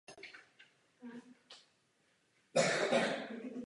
V některých malých městech nemůžete sehnat instalatéra.